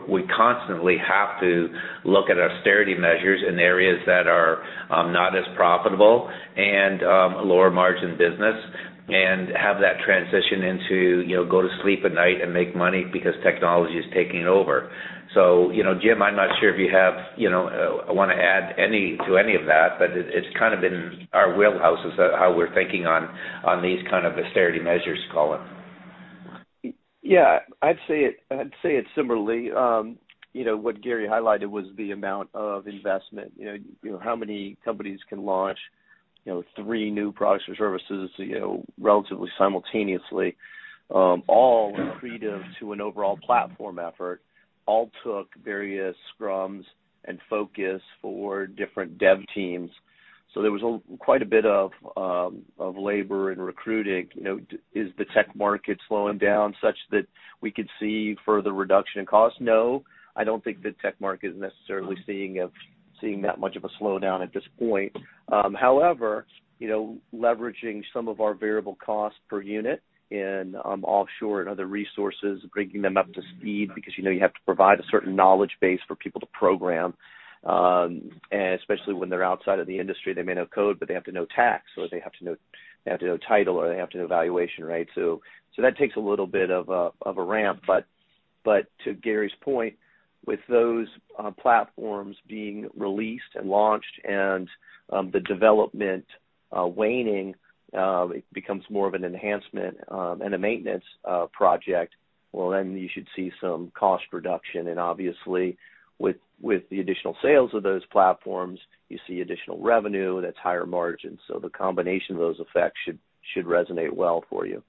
we constantly have to look at austerity measures in areas that are not as profitable and lower-margin business and have that transition into, you know, go to sleep at night and make money because technology is taking over. You know, Jim, I'm not sure if you have, you know, want to add anything to that, but it's kind of in our wheelhouses, how we're thinking on these kind of austerity measures, Colin. Yeah. I'd say it similarly. You know, what Gary highlighted was the amount of investment. You know, you know how many companies can launch, you know, three new products or services, you know, relatively simultaneously, all accretive to an overall platform effort, all took various scrums and focus for different dev teams. There was quite a bit of labor and recruiting. You know, is the tech market slowing down such that we could see further reduction in cost? No, I don't think the tech market is necessarily seeing that much of a slowdown at this point. However, you know, leveraging some of our variable costs per unit and offshore and other resources, bringing them up to speed because, you know, you have to provide a certain knowledge base for people to program. Especially when they're outside of the industry, they may know code, but they have to know tax, or they have to know title, or they have to know valuation, right? That takes a little bit of a ramp. To Gary's point, with those platforms being released and launched and the development waning, it becomes more of an enhancement and a maintenance project. Then you should see some cost reduction. Obviously, with the additional sales of those platforms, you see additional revenue that's higher margin. The combination of those effects should resonate well for you.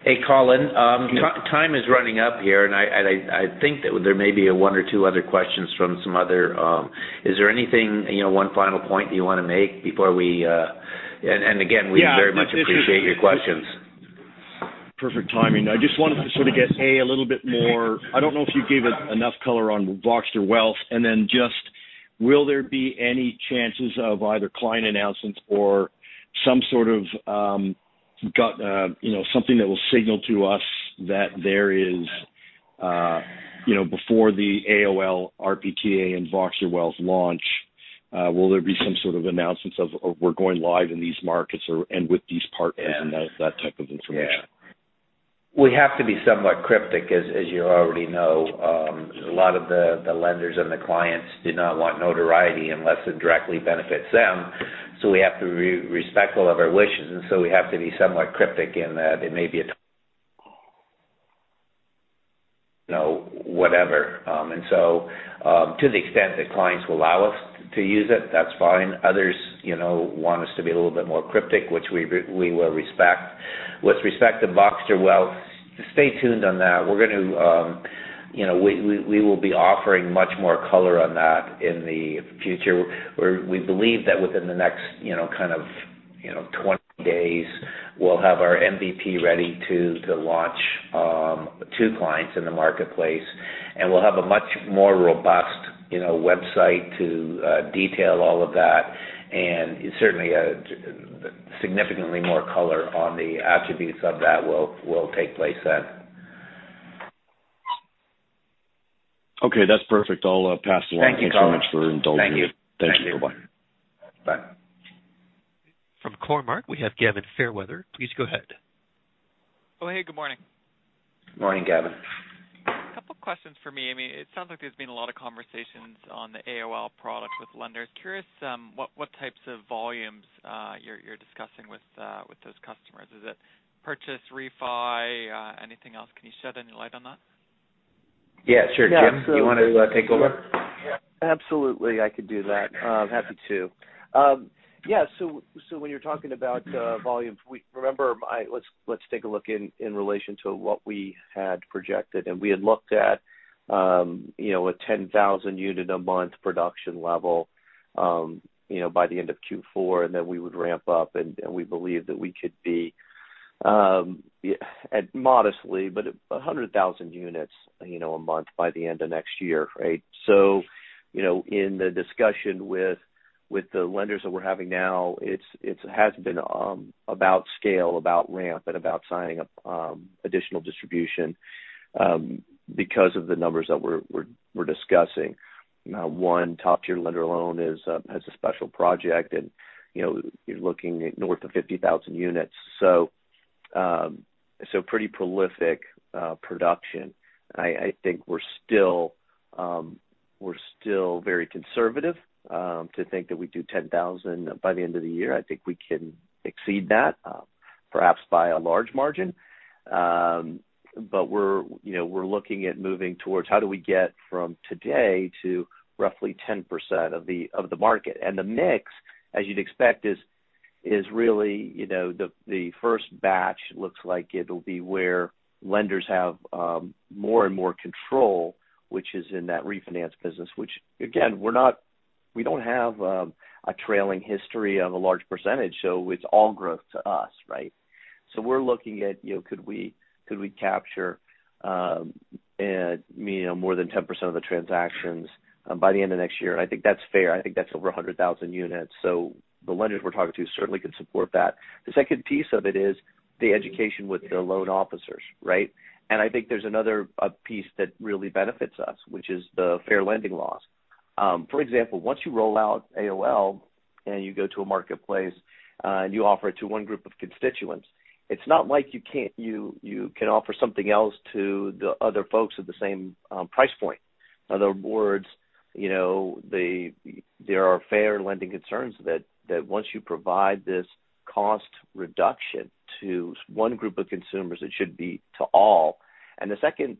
Hey, Colin, Yeah. Time is running up here. I think that there may be one or two other questions from some other. Is there anything, you know, one final point that you wanna make before we. Again, we very much appreciate your questions. Perfect timing. I just wanted to sort of get a little bit more. I don't know if you gave us enough color on Voxtur Wealth, and then just will there be any chances of either client announcements or some sort of, you know, something that will signal to us that there is, you know, before the AOL, RPTA, and Voxtur Wealth launch, will there be some sort of announcements of we're going live in these markets or and with these partners and that type of information? Yeah. We have to be somewhat cryptic, as you already know. A lot of the lenders and the clients do not want notoriety unless it directly benefits them, so we have to be respectful of their wishes. We have to be somewhat cryptic in that it may be, you know, whatever. To the extent that clients will allow us to use it, that's fine. Others, you know, want us to be a little bit more cryptic, which we will respect. With respect to Voxtur Wealth, stay tuned on that. We're gonna, you know, we will be offering much more color on that in the future. We believe that within the next, you know, kind of, you know, 20 days, we'll have our MVP ready to launch two clients in the marketplace, and we'll have a much more robust. You know, website to detail all of that. Certainly, significantly more color on the attributes of that will take place then. Okay, that's perfect. I'll pass it along. Thank you, Colin. Thanks so much for indulging me. Thank you. Thank you. Thank you. Bye-bye. Bye. From Cormark, we have Gavin Fairweather. Please go ahead. Oh, hey, good morning. Morning, Gavin. A couple of questions for me, [Amy]. It sounds like there's been a lot of conversations on the AOL product with lenders. Curious, what types of volumes you're discussing with those customers. Is it purchase, refi, anything else? Can you shed any light on that? Yeah, sure. Jim, do you want to take over? Absolutely. I could do that. Happy to. Yeah. When you're talking about volumes, remember, let's take a look in relation to what we had projected, and we had looked at, you know, a 10,000-unit-a-month production level, you know, by the end of Q4, and then we would ramp up, and we believe that we could be at modestly, but 100,000 units, you know, a month by the end of next year. Right? You know, in the discussion with the lenders that we're having now, it has been about scale, about ramp, and about signing up additional distribution because of the numbers that we're discussing. One top-tier lender alone has a special project and, you know, you're looking north of 50,000 units. So pretty prolific production. I think we're still very conservative to think that we do 10,000 by the end of the year. I think we can exceed that, perhaps by a large margin. But we're, you know, we're looking at moving towards how do we get from today to roughly 10% of the market. The mix, as you'd expect, is really, you know, the first batch looks like it'll be where lenders have more and more control, which is in that refinance business, which again, we don't have a trailing history of a large percentage, so it's all growth to us, right? We're looking at, you know, could we capture more than 10% of the transactions by the end of next year? I think that's fair. I think that's over 100,000 units. The lenders we're talking to certainly could support that. The second piece of it is the education with the loan officers, right? I think there's another piece that really benefits us, which is the fair lending laws. For example, once you roll out AOL and you go to a marketplace, and you offer it to one group of constituents, it's not like you can't, you can offer something else to the other folks at the same price point. In other words, you know, there are fair lending concerns that once you provide this cost reduction to one group of consumers, it should be to all. The second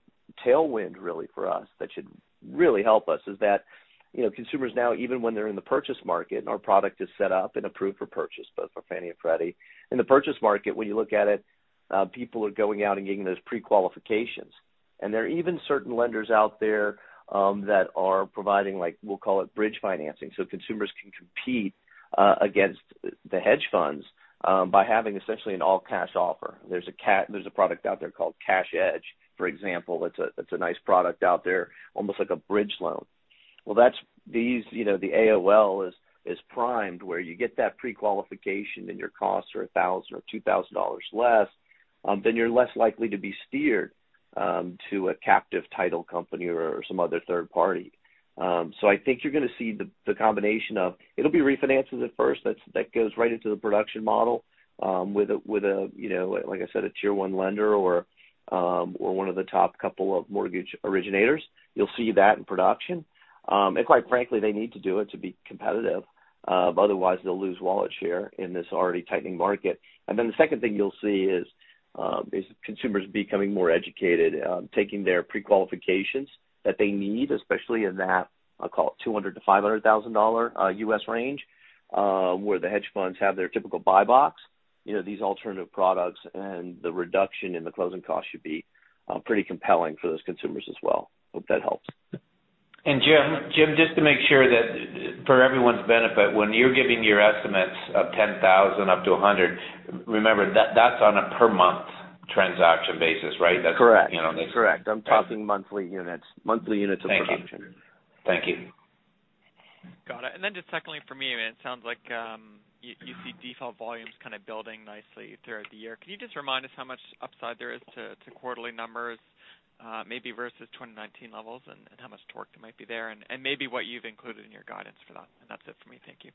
tailwind really for us that should really help us is that, you know, consumers now, even when they're in the purchase market and our product is set up and approved for purchase, both for Fannie and Freddie. In the purchase market, when you look at it, people are going out and getting those pre-qualifications. There are even certain lenders out there that are providing, like, we'll call it bridge financing, so consumers can compete against the hedge funds by having essentially an all-cash offer. There's a product out there called CashEdge, for example. That's a nice product out there, almost like a bridge loan. Well, that's the, you know, the AOL is primed where you get that pre-qualification and your costs are 1,000 or 2,000 dollars less, then you're less likely to be steered to a captive title company or some other third party. I think you're gonna see the combination of it'll be refinances at first that goes right into the production model, with a you know like I said a Tier 1 lender or one of the top couple of mortgage originators. You'll see that in production. Quite frankly, they need to do it to be competitive, otherwise they'll lose wallet share in this already tightening market. The second thing you'll see is consumers becoming more educated, taking their pre-qualifications that they need, especially in that, I'll call it $200,000-$500,000 U.S. range, where the hedge funds have their typical buy box. You know, these alternative products and the reduction in the closing cost should be pretty compelling for those consumers as well. Hope that helps. Jim, just to make sure that for everyone's benefit, when you're giving your estimates of 10,000-100,000 remember that's on a per month transaction basis, right? Correct. That's- Correct. I'm talking monthly units. Monthly units of production. Thank you. Thank you. Got it. Then just secondly for me, it sounds like you see default volumes kind of building nicely throughout the year. Can you just remind us how much upside there is to quarterly numbers, maybe versus 2019 levels and how much torque might be there and maybe what you've included in your guidance for that? That's it for me. Thank you.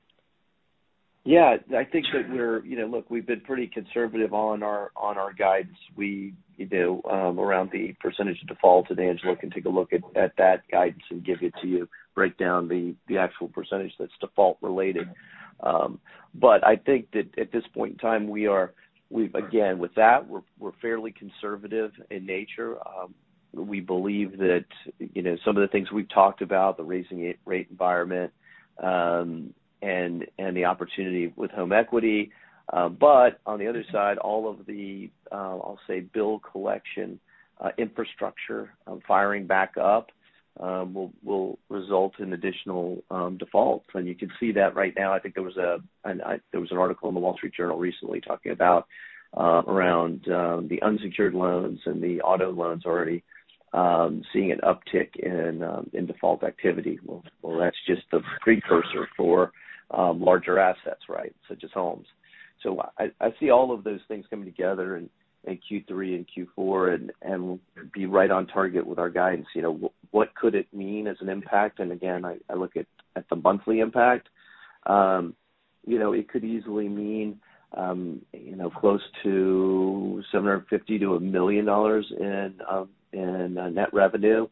Yeah. I think that we're, you know, look, we've been pretty conservative on our guidance. We, you know, around the percentage default, and Angela Little can take a look at that guidance and give it to you, break down the actual percentage that's default related. But I think that at this point in time, again, with that, we're fairly conservative in nature. We believe that, you know, some of the things we've talked about, the rising rate environment, and the opportunity with home equity. But on the other side, all of the, I'll say bill collection infrastructure firing back up will result in additional defaults. You can see that right now. I think there was an article in The Wall Street Journal recently talking about around the unsecured loans and the auto loans already seeing an uptick in default activity. Well, that's just the precursor for larger assets, right? Such as homes. I see all of those things coming together in Q3 and Q4, and we'll be right on target with our guidance. You know, what could it mean as an impact? And again, I look at the monthly impact. It could easily mean close to 750,000-1,000,000 dollars in net revenue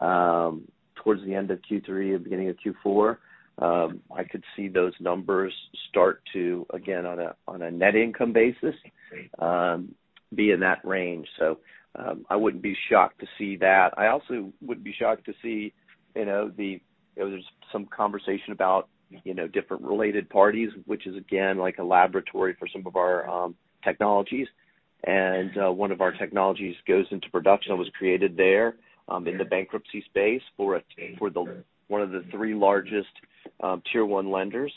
towards the end of Q3 or beginning of Q4. I could see those numbers start to, again, on a net income basis, be in that range. I wouldn't be shocked to see that. I also would be shocked to see, you know. There was some conversation about, you know, different related parties, which is again, like a laboratory for some of our technologies. One of our technologies goes into production that was created there in the bankruptcy space for one of the three largest Tier 1 lenders.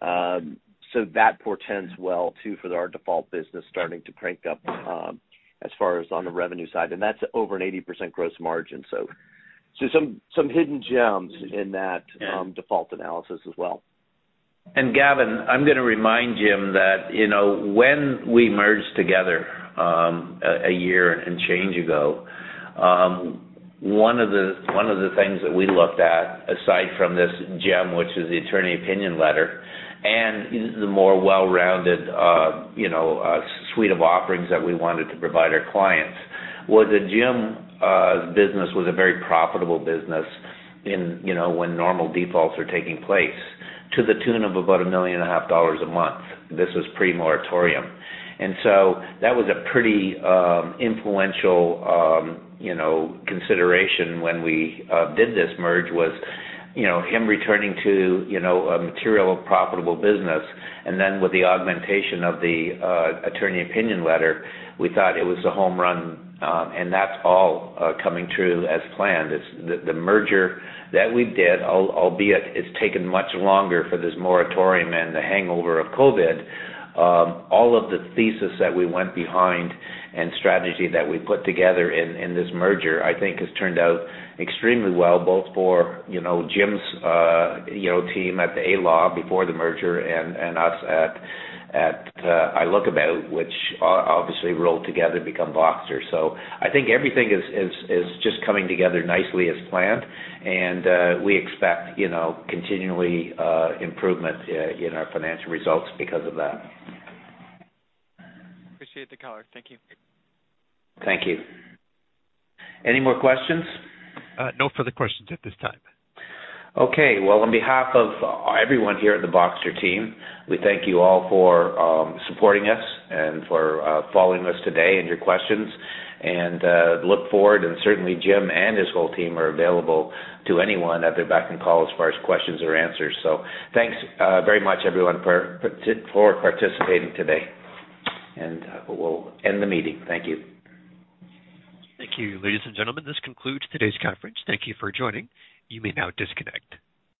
That portends well too for our default business starting to crank up, as far as on the revenue side. That's over an 80% gross margin. So some hidden gems in that default analysis as well. Gavin, I'm gonna remind Jim that, you know, when we merged together, a year and change ago, one of the things that we looked at, aside from this gem, which is the Attorney Opinion Letter, and the more well-rounded, you know, SaaS suite of offerings that we wanted to provide our clients, was that Jim, his business was a very profitable business in, you know, when normal defaults are taking place, to the tune of about 1.5 million a month. This was pre-moratorium. That was a pretty influential consideration when we did this merge was, you know, him returning to, you know, a material profitable business. With the augmentation of the Attorney Opinion Letter, we thought it was a home run. That's all coming true as planned. It's the merger that we did, albeit it's taken much longer for this moratorium and the hangover of COVID, all of the thesis that we went behind and strategy that we put together in this merger, I think has turned out extremely well, both for, you know, Jim's team at ALAW before the merger and us at iLOOKABOUT, which obviously rolled together to become Voxtur. I think everything is just coming together nicely as planned. We expect, you know, continual improvement in our financial results because of that. Appreciate the color. Thank you. Thank you. Any more questions? No further questions at this time. Okay. Well, on behalf of everyone here at the Voxtur team, we thank you all for supporting us and for following us today and your questions. Look forward, and certainly Jim and his whole team are available to anyone at their beck and call as far as questions or answers. Thanks very much everyone for participating today. We'll end the meeting. Thank you. Thank you. Ladies and gentlemen, this concludes today's conference. Thank you for joining. You may now disconnect.